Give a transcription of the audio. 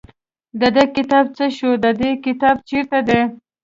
د ده کتاب څه شو د دې کتاب چېرته دی.